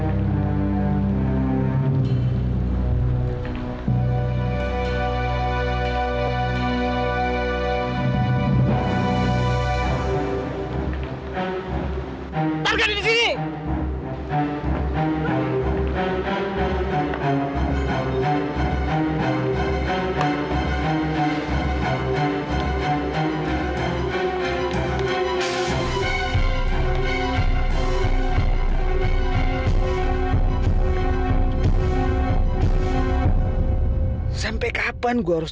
sampai kapan gua harus terus berpengaruh